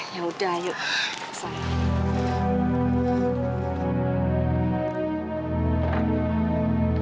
ya udah yuk